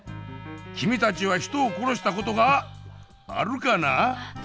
君たちは人を殺したことがあるかな。